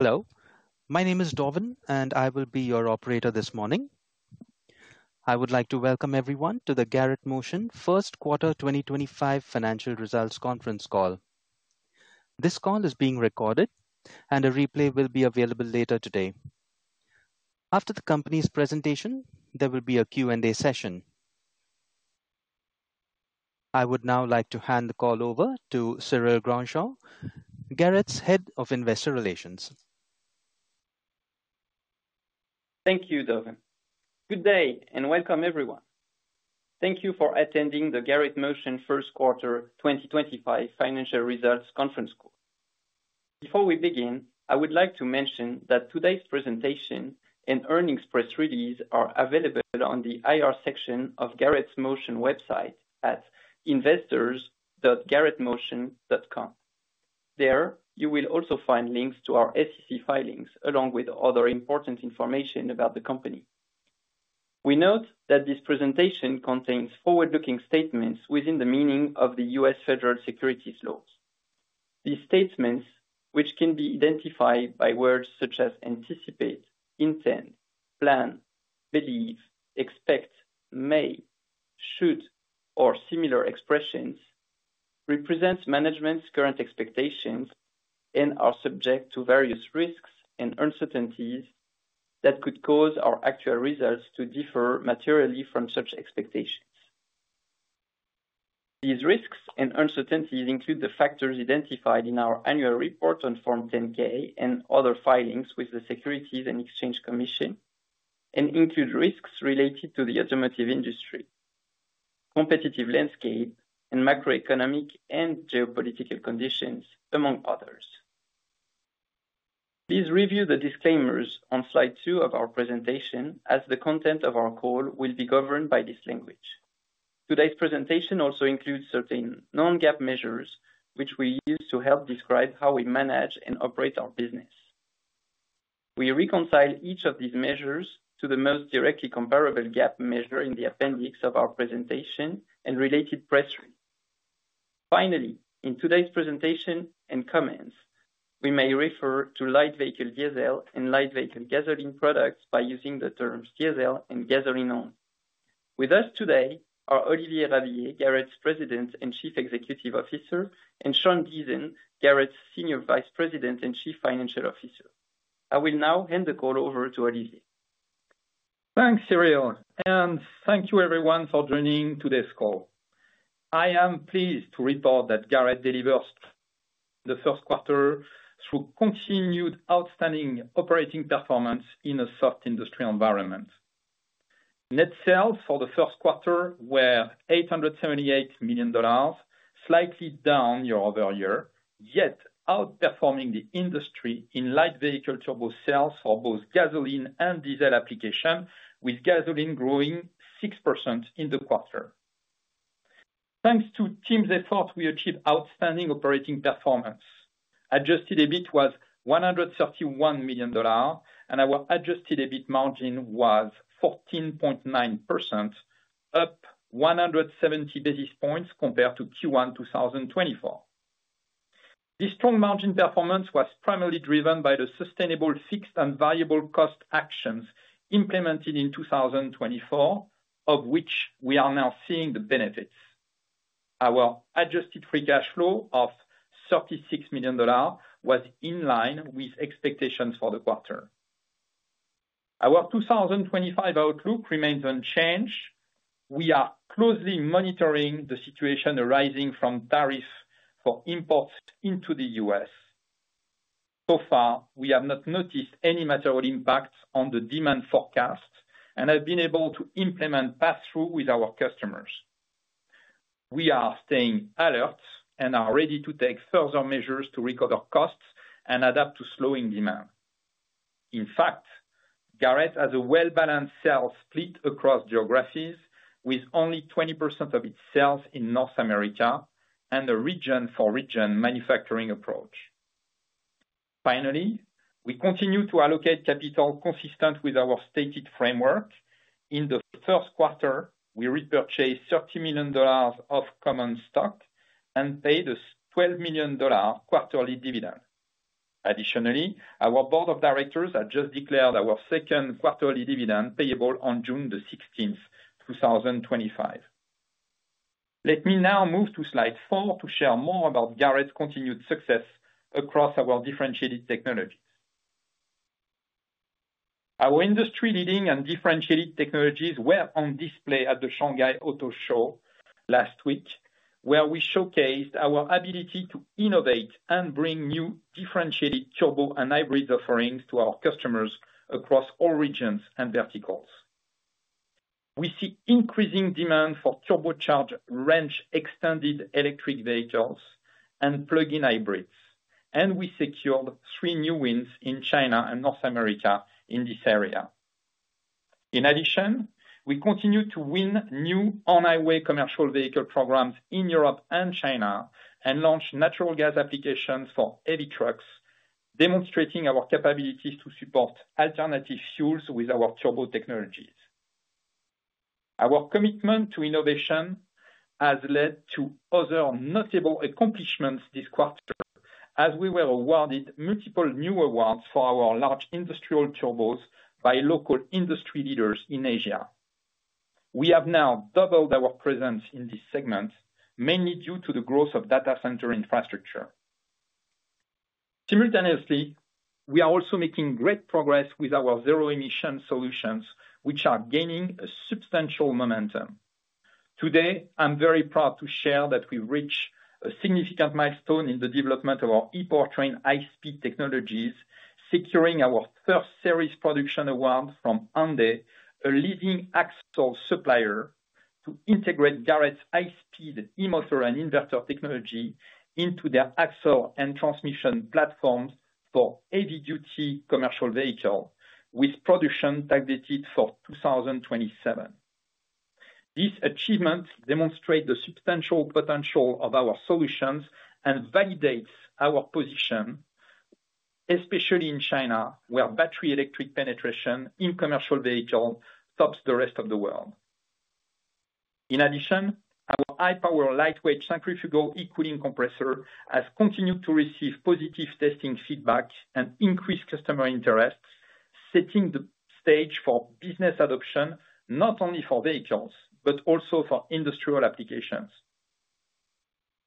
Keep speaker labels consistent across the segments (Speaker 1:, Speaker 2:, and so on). Speaker 1: Hello. My name is Dovan, and I will be your operator this morning. I would like to welcome everyone to the Garrett Motion First Quarter 2025 Financial Results Conference call. This call is being recorded, and a replay will be available later today. After the company's presentation, there will be a Q&A session. I would now like to hand the call over to Cyril Grandjean, Garrett's Head of Investor Relations.
Speaker 2: Thank you, Dovan. Good day and welcome, everyone. Thank you for attending the Garrett Motion First Quarter 2025 Financial Results Conference call. Before we begin, I would like to mention that today's presentation and earnings press release are available on the IR section of the Garrett Motion website at investors.garrettmotion.com. There, you will also find links to our SEC filings along with other important information about the company. We note that this presentation contains forward-looking statements within the meaning of the U.S. Federal Securities Laws. These statements, which can be identified by words such as anticipate, intend, plan, believe, expect, may, should, or similar expressions, represent management's current expectations and are subject to various risks and uncertainties that could cause our actual results to differ materially from such expectations. These risks and uncertainties include the factors identified in our annual report on Form 10-K and other filings with the Securities and Exchange Commission, and include risks related to the automotive industry, competitive landscape, and macroeconomic and geopolitical conditions, among others. Please review the disclaimers on slide two of our presentation, as the content of our call will be governed by this language. Today's presentation also includes certain non-GAAP measures, which we use to help describe how we manage and operate our business. We reconcile each of these measures to the most directly comparable GAAP measure in the appendix of our presentation and related press release. Finally, in today's presentation and comments, we may refer to light vehicle diesel and light vehicle gasoline products by using the terms diesel and gasoline only. With us today are Olivier Rabiller, Garrett's President and Chief Executive Officer, and Sean Deason, Garrett's Senior Vice President and Chief Financial Officer. I will now hand the call over to Olivier.
Speaker 3: Thanks, Cyril, and thank you, everyone, for joining today's call. I am pleased to report that Garrett delivers the first quarter through continued outstanding operating performance in a soft industry environment. Net sales for the first quarter were $878 million, slightly down year-over-year, yet outperforming the industry in light vehicle turbo sales for both gasoline and diesel application, with gasoline growing 6% in the quarter. Thanks to the team's effort, we achieved outstanding operating performance. Adjusted EBIT was $131 million, and our adjusted EBIT margin was 14.9%, up 170 basis points compared to Q1 2024. This strong margin performance was primarily driven by the sustainable fixed and variable cost actions implemented in 2024, of which we are now seeing the benefits. Our adjusted free cash flow of $36 million was in line with expectations for the quarter. Our 2025 outlook remains unchanged. We are closely monitoring the situation arising from tariffs for imports into the U.S. So far, we have not noticed any material impacts on the demand forecast and have been able to implement pass-through with our customers. We are staying alert and are ready to take further measures to recover costs and adapt to slowing demand. In fact, Garrett has a well-balanced sales split across geographies, with only 20% of its sales in North America and a region-for-region manufacturing approach. Finally, we continue to allocate capital consistent with our stated framework. In the first quarter, we repurchased $30 million of common stock and paid a $12 million quarterly dividend. Additionally, our board of directors has just declared our second quarterly dividend payable on June 16, 2025. Let me now move to slide four to share more about Garrett's continued success across our differentiated technologies. Our industry-leading and differentiated technologies were on display at the Shanghai Auto Show last week, where we showcased our ability to innovate and bring new differentiated turbo and hybrid offerings to our customers across all regions and verticals. We see increasing demand for turbocharged range-extended electric vehicles and plug-in hybrids, and we secured three new wins in China and North America in this area. In addition, we continue to win new on-highway commercial vehicle programs in Europe and China and launch natural gas applications for heavy trucks, demonstrating our capabilities to support alternative fuels with our turbo technologies. Our commitment to innovation has led to other notable accomplishments this quarter, as we were awarded multiple new awards for our large industrial turbos by local industry leaders in Asia. We have now doubled our presence in this segment, mainly due to the growth of data center infrastructure. Simultaneously, we are also making great progress with our zero-emission solutions, which are gaining substantial momentum. Today, I'm very proud to share that we've reached a significant milestone in the development of our E-Powertrain high-speed technologies, securing our first series production award from Hyundai, a leading axle supplier, to integrate Garrett's high-speed e-motor and inverter technology into their axle and transmission platforms for heavy-duty commercial vehicles, with production targeted for 2027. These achievements demonstrate the substantial potential of our solutions and validate our position, especially in China, where battery electric penetration in commercial vehicles tops the rest of the world. In addition, our high-power lightweight centrifugal E-Cooling compressor has continued to receive positive testing feedback and increased customer interest, setting the stage for business adoption not only for vehicles but also for industrial applications.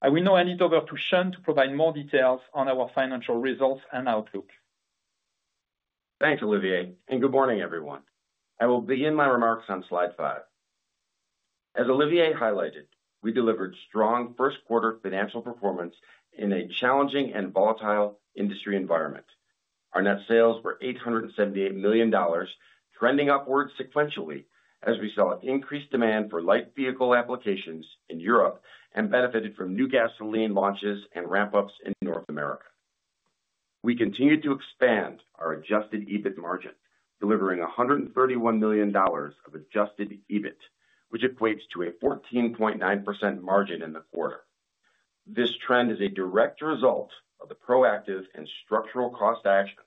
Speaker 3: I will now hand it over to Sean to provide more details on our financial results and outlook.
Speaker 4: Thanks, Olivier, and good morning, everyone. I will begin my remarks on slide five. As Olivier highlighted, we delivered strong first-quarter financial performance in a challenging and volatile industry environment. Our net sales were $878 million, trending upward sequentially as we saw increased demand for light vehicle applications in Europe and benefited from new gasoline launches and ramp-ups in North America. We continued to expand our adjusted EBIT margin, delivering $131 million of adjusted EBIT, which equates to a 14.9% margin in the quarter. This trend is a direct result of the proactive and structural cost actions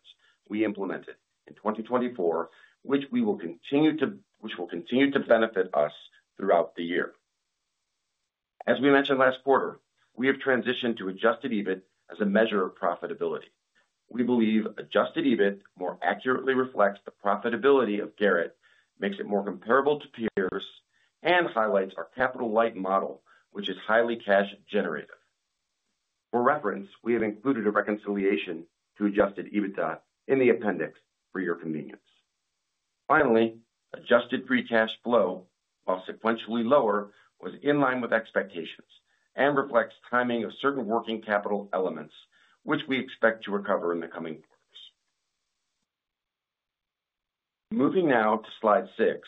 Speaker 4: we implemented in 2024, which will continue to benefit us throughout the year. As we mentioned last quarter, we have transitioned to adjusted EBIT as a measure of profitability. We believe adjusted EBIT more accurately reflects the profitability of Garrett, makes it more comparable to peers, and highlights our capital-light model, which is highly cash-generative. For reference, we have included a reconciliation to adjusted EBITDA in the appendix for your convenience. Finally, adjusted free cash flow, while sequentially lower, was in line with expectations and reflects timing of certain working capital elements, which we expect to recover in the coming quarters. Moving now to slide six,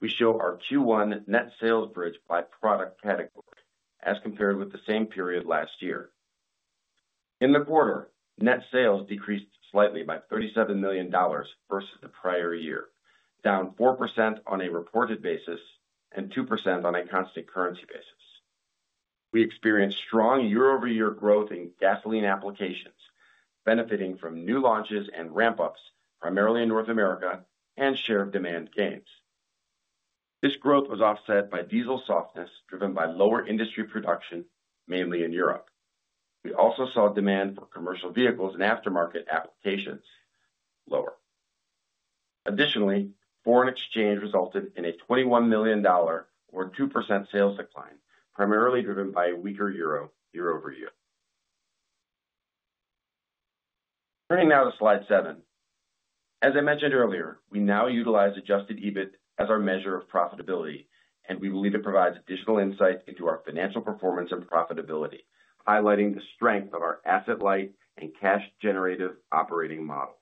Speaker 4: we show our Q1 net sales bridge by product category as compared with the same period last year. In the quarter, net sales decreased slightly by $37 million versus the prior year, down 4% on a reported basis and 2% on a constant currency basis. We experienced strong year-over-year growth in gasoline applications, benefiting from new launches and ramp-ups, primarily in North America, and share of demand gains. This growth was offset by diesel softness driven by lower industry production, mainly in Europe. We also saw demand for commercial vehicles and aftermarket applications lower. Additionally, foreign exchange resulted in a $21 million, or 2%, sales decline, primarily driven by a weaker euro year-over-year. Turning now to slide seven. As I mentioned earlier, we now utilize adjusted EBIT as our measure of profitability, and we believe it provides additional insight into our financial performance and profitability, highlighting the strength of our asset-light and cash-generative operating model.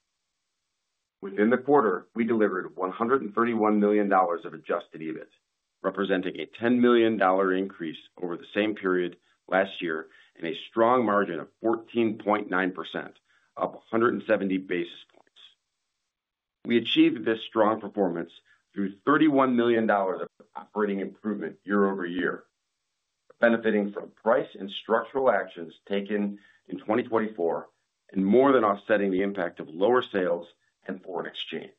Speaker 4: Within the quarter, we delivered $131 million of adjusted EBIT, representing a $10 million increase over the same period last year and a strong margin of 14.9%, up 170 basis points. We achieved this strong performance through $31 million of operating improvement year-over-year, benefiting from price and structural actions taken in 2024 and more than offsetting the impact of lower sales and foreign exchange.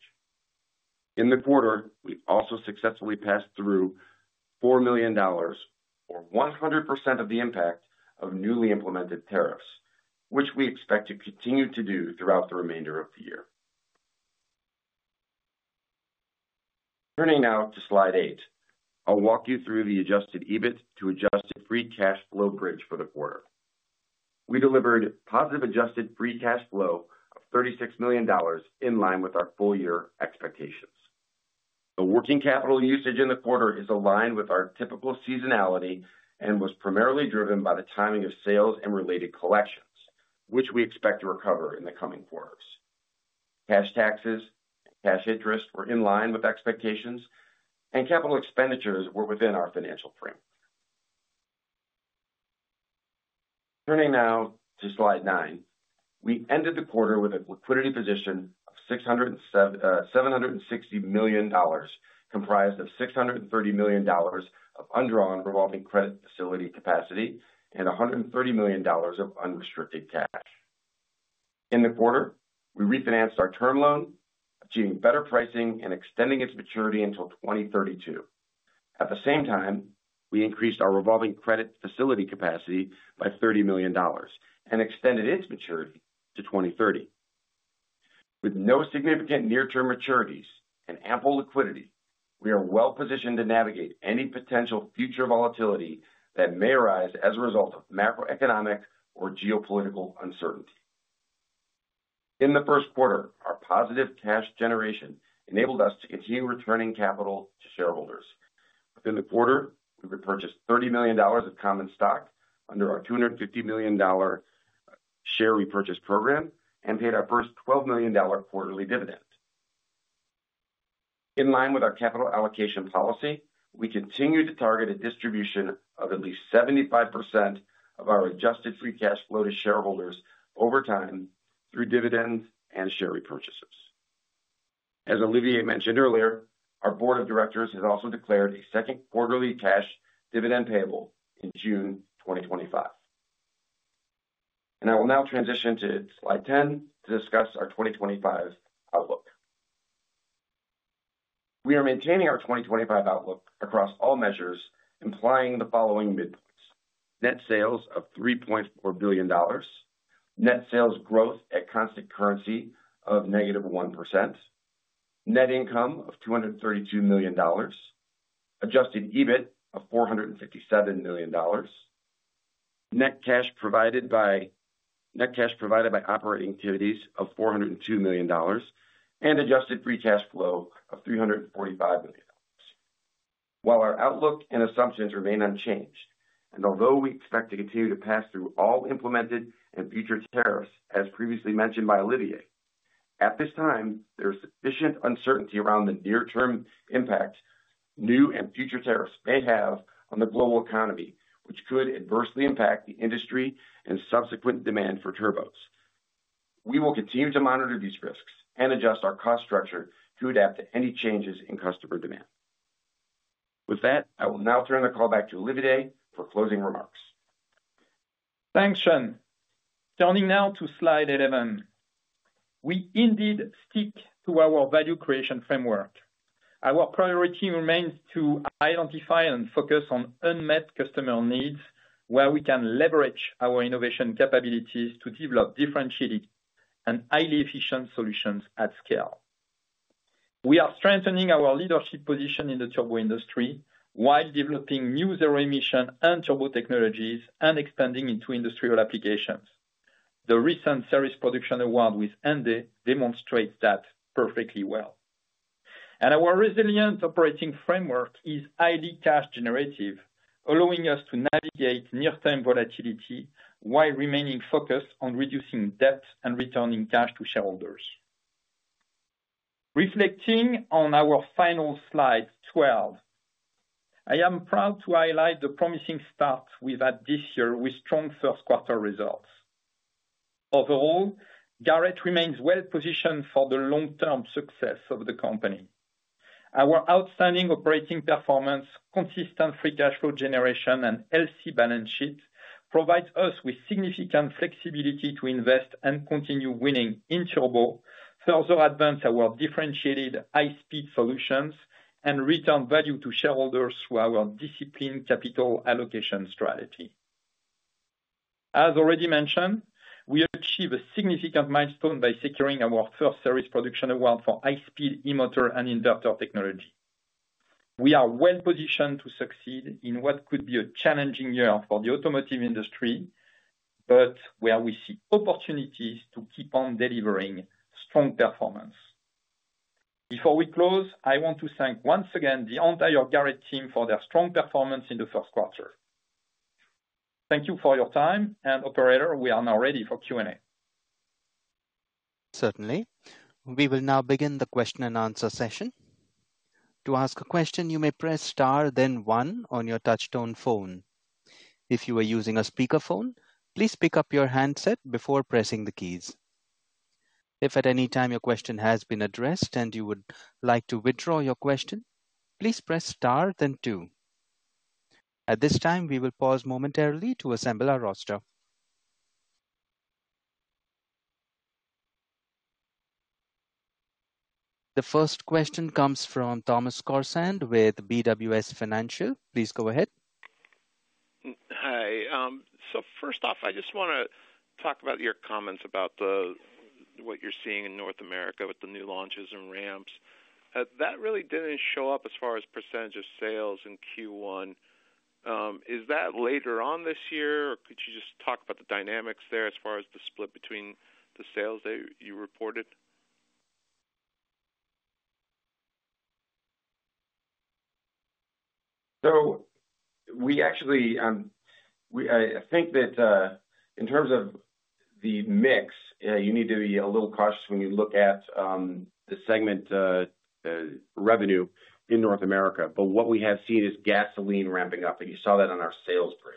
Speaker 4: In the quarter, we also successfully passed through $4 million, or 100% of the impact of newly implemented tariffs, which we expect to continue to do throughout the remainder of the year. Turning now to slide eight, I'll walk you through the adjusted EBIT to adjusted free cash flow bridge for the quarter. We delivered positive adjusted free cash flow of $36 million in line with our full-year expectations. The working capital usage in the quarter is aligned with our typical seasonality and was primarily driven by the timing of sales and related collections, which we expect to recover in the coming quarters. Cash taxes and cash interest were in line with expectations, and capital expenditures were within our financial framework. Turning now to slide nine, we ended the quarter with a liquidity position of $760 million, comprised of $630 million of undrawn revolving credit facility capacity and $130 million of unrestricted cash. In the quarter, we refinanced our term loan, achieving better pricing and extending its maturity until 2032. At the same time, we increased our revolving credit facility capacity by $30 million and extended its maturity to 2030. With no significant near-term maturities and ample liquidity, we are well-positioned to navigate any potential future volatility that may arise as a result of macroeconomic or geopolitical uncertainty. In the first quarter, our positive cash generation enabled us to continue returning capital to shareholders. Within the quarter, we repurchased $30 million of common stock under our $250 million share repurchase program and paid our first $12 million quarterly dividend. In line with our capital allocation policy, we continue to target a distribution of at least 75% of our adjusted free cash flow to shareholders over time through dividends and share repurchases. As Olivier mentioned earlier, our board of directors has also declared a second quarterly cash dividend payable in June 2025. I will now transition to slide 10 to discuss our 2025 outlook. We are maintaining our 2025 outlook across all measures, implying the following midpoints: net sales of $3.4 billion, net sales growth at constant currency of negative 1%, net income of $232 million, adjusted EBIT of $457 million, net cash provided by operating activities of $402 million, and adjusted free cash flow of $345 million. While our outlook and assumptions remain unchanged, and although we expect to continue to pass through all implemented and future tariffs, as previously mentioned by Olivier, at this time, there is sufficient uncertainty around the near-term impact new and future tariffs may have on the global economy, which could adversely impact the industry and subsequent demand for turbos. We will continue to monitor these risks and adjust our cost structure to adapt to any changes in customer demand. With that, I will now turn the call back to Olivier for closing remarks.
Speaker 3: Thanks, Sean. Turning now to slide 11, we indeed stick to our value creation framework. Our priority remains to identify and focus on unmet customer needs where we can leverage our innovation capabilities to develop differentiated and highly efficient solutions at scale. We are strengthening our leadership position in the turbo industry while developing new zero-emission and turbo technologies and expanding into industrial applications. The recent series production award with Hyundai demonstrates that perfectly well. Our resilient operating framework is highly cash-generative, allowing us to navigate near-term volatility while remaining focused on reducing debt and returning cash to shareholders. Reflecting on our final slide 12, I am proud to highlight the promising start we've had this year with strong first-quarter results. Overall, Garrett remains well-positioned for the long-term success of the company. Our outstanding operating performance, consistent free cash flow generation, and healthy balance sheet provide us with significant flexibility to invest and continue winning in turbo, further advance our differentiated high-speed solutions, and return value to shareholders through our disciplined capital allocation strategy. As already mentioned, we achieve a significant milestone by securing our first series production award for high-speed e-motor and inverter technology. We are well-positioned to succeed in what could be a challenging year for the automotive industry, where we see opportunities to keep on delivering strong performance. Before we close, I want to thank once again the entire Garrett team for their strong performance in the first quarter. Thank you for your time, and operator, we are now ready for Q&A.
Speaker 1: Certainly. We will now begin the question and answer session. To ask a question, you may press star, then one on your touch-tone phone. If you are using a speakerphone, please pick up your handset before pressing the keys. If at any time your question has been addressed and you would like to withdraw your question, please press star, then two. At this time, we will pause momentarily to assemble our roster. The first question comes from Thomas Khorsand with BWS Financial. Please go ahead.
Speaker 5: Hi. First off, I just want to talk about your comments about what you're seeing in North America with the new launches and ramps. That really didn't show up as far as percentage of sales in Q1. Is that later on this year, or could you just talk about the dynamics there as far as the split between the sales that you reported?
Speaker 4: We actually, I think that in terms of the mix, you need to be a little cautious when you look at the segment revenue in North America. What we have seen is gasoline ramping up, and you saw that on our sales bridge.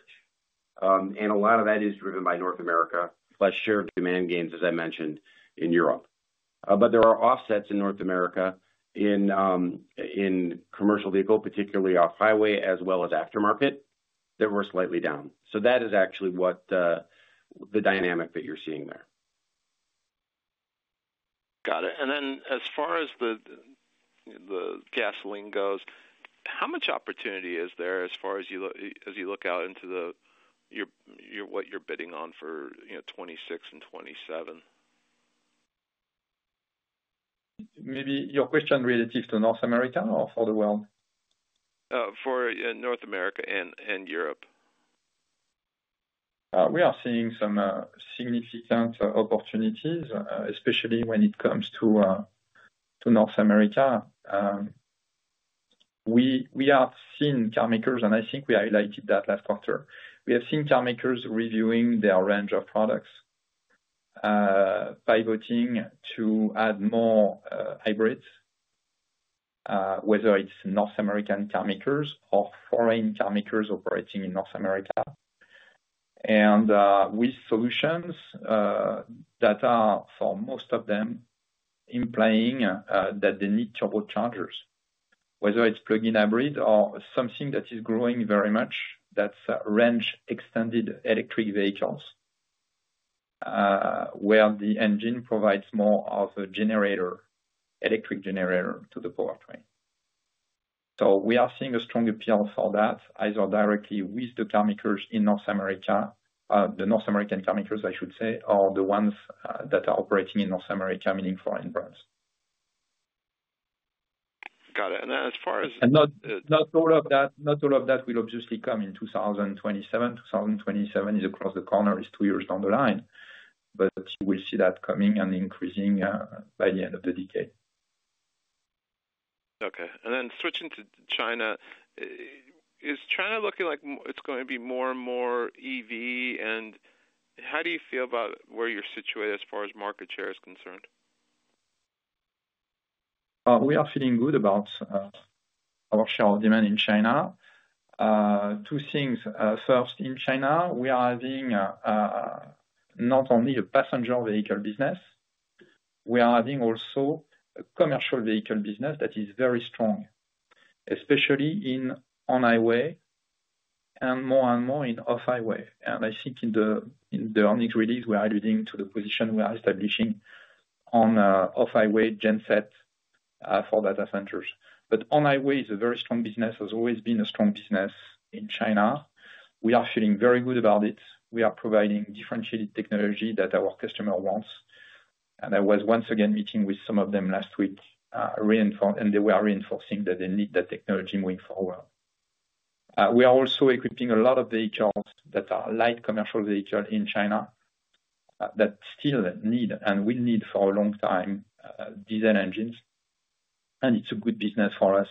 Speaker 4: A lot of that is driven by North America, plus share of demand gains, as I mentioned, in Europe. There are offsets in North America in commercial vehicle, particularly off-highway, as well as aftermarket, that were slightly down. That is actually what the dynamic that you're seeing there.
Speaker 5: Got it. As far as the gasoline goes, how much opportunity is there as far as you look out into what you're bidding on for 2026 and 2027?
Speaker 3: Maybe your question relative to North America or for the world?
Speaker 5: For North America and Europe.
Speaker 3: We are seeing some significant opportunities, especially when it comes to North America. We have seen car makers, and I think we highlighted that last quarter. We have seen car makers reviewing their range of products, pivoting to add more hybrids, whether it is North American car makers or foreign car makers operating in North America. With solutions that are, for most of them, implying that they need turbochargers, whether it is plug-in hybrid or something that is growing very much, that is range-extended electric vehicles where the engine provides more of a generator, electric generator to the powertrain. We are seeing a strong appeal for that, either directly with the car makers in North America, the North American car makers, I should say, or the ones that are operating in North America, meaning foreign brands.
Speaker 5: Got it. As far as.
Speaker 3: Not all of that will obviously come in 2027. 2027 is across the corner. It's two years down the line. You will see that coming and increasing by the end of the decade.
Speaker 5: Okay. Switching to China, is China looking like it's going to be more and more EV? How do you feel about where you're situated as far as market share is concerned?
Speaker 3: We are feeling good about our share of demand in China. Two things. First, in China, we are having not only a passenger vehicle business. We are having also a commercial vehicle business that is very strong, especially in on-highway and more and more in off-highway. I think in the earnings release, we are alluding to the position we are establishing on off-highway genset for data centers. On-highway is a very strong business. It has always been a strong business in China. We are feeling very good about it. We are providing differentiated technology that our customer wants. I was once again meeting with some of them last week, and they were reinforcing that they need that technology moving forward. We are also equipping a lot of vehicles that are light commercial vehicles in China that still need and will need for a long time diesel engines. It is a good business for us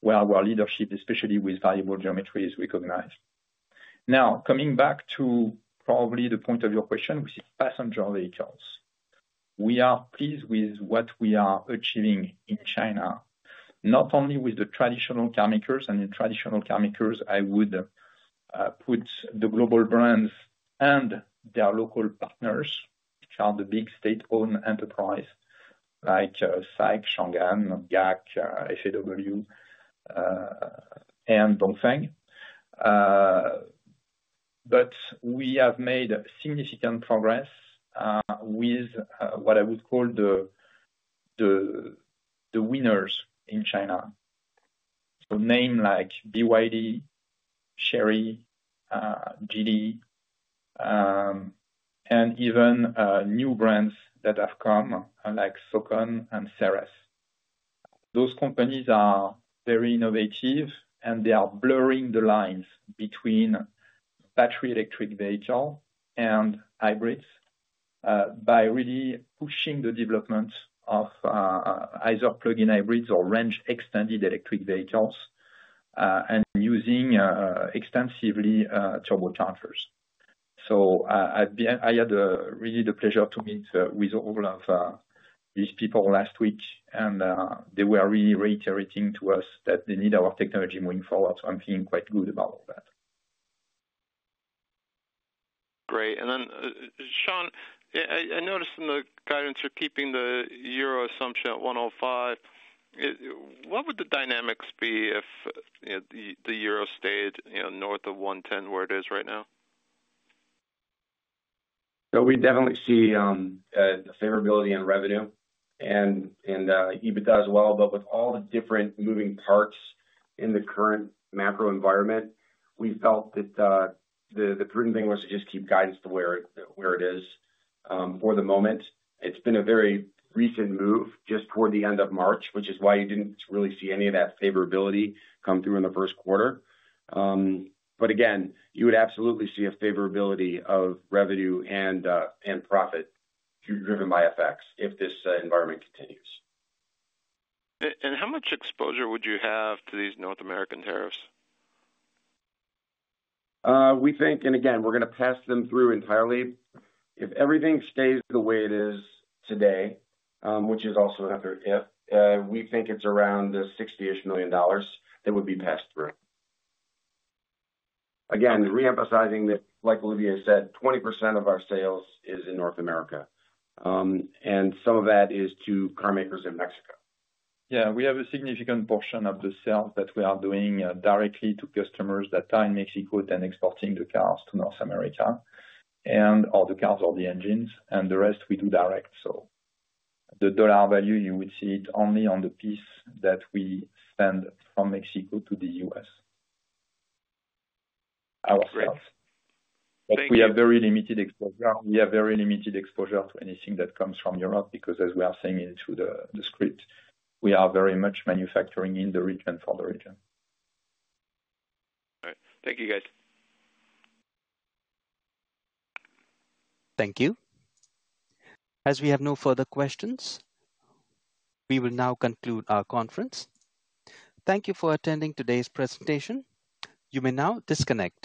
Speaker 3: where our leadership, especially with variable geometry, is recognized. Now, coming back to probably the point of your question, which is passenger vehicles, we are pleased with what we are achieving in China, not only with the traditional car makers. In traditional car makers, I would put the global brands and their local partners, which are the big state-owned enterprises like SAIC, Changan, GAC, FAW, and Dongfeng. We have made significant progress with what I would call the winners in China. Names like BYD, Chery, Geely, and even new brands that have come like Sokon and Seres. Those companies are very innovative, and they are blurring the lines between battery electric vehicles and hybrids by really pushing the development of either plug-in hybrids or range-extended electric vehicles and using extensively turbochargers. I had really the pleasure to meet with all of these people last week, and they were really reiterating to us that they need our technology moving forward. I am feeling quite good about that.
Speaker 5: Great. Sean, I noticed in the guidance you're keeping the euro assumption at 1.05. What would the dynamics be if the euro stayed north of 1.10, where it is right now?
Speaker 4: We definitely see the favorability in revenue, and EBITDA as well. With all the different moving parts in the current macro environment, we felt that the prudent thing was to just keep guidance to where it is for the moment. It has been a very recent move just toward the end of March, which is why you did not really see any of that favorability come through in the first quarter. Again, you would absolutely see a favorability of revenue and profit driven by FX if this environment continues.
Speaker 5: How much exposure would you have to these North American tariffs?
Speaker 4: We think, and again, we're going to pass them through entirely. If everything stays the way it is today, which is also another if, we think it's around the $60 million that would be passed through. Again, reemphasizing that, like Olivier said, 20% of our sales is in North America, and some of that is to car makers in Mexico.
Speaker 3: Yeah. We have a significant portion of the sales that we are doing directly to customers that are in Mexico then exporting the cars to North America and/or the cars or the engines. The rest we do direct. The dollar value, you would see it only on the piece that we send from Mexico to the U.S., our sales.
Speaker 5: Great.
Speaker 3: We have very limited exposure. We have very limited exposure to anything that comes from Europe because, as we are saying into the script, we are very much manufacturing in the region for the region.
Speaker 5: All right. Thank you, guys.
Speaker 1: Thank you. As we have no further questions, we will now conclude our conference. Thank you for attending today's presentation. You may now disconnect.